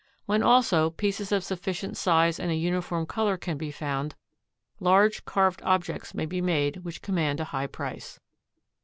When, also, pieces of sufficient size and of a uniform color can be found, large carved objects may be made which command a high price.